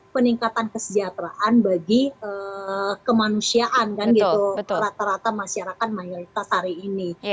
peningkatan kesejahteraan bagi kemanusiaan kan gitu rata rata masyarakat mayoritas hari ini